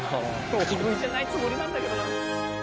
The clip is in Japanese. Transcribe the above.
大食いじゃないつもりなんだけどな。